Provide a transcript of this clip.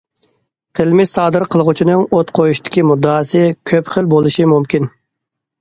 قىلمىش سادىر قىلغۇچىنىڭ ئوت قويۇشتىكى مۇددىئاسى كۆپ خىل بولۇشى مۇمكىن.